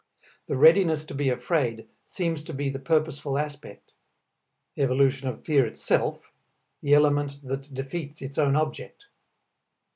The readiness to be afraid seems to be the purposeful aspect; evolution of fear itself, the element that defeats its own object.